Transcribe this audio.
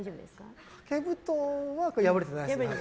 掛け布団は破れてないですね。